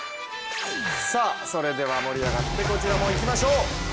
それでは盛り上がってこちらもいきましょう。